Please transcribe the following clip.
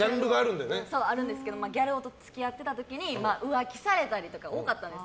あるんですけどもギャル男と付き合ってた時に浮気されたりとか多かったんです。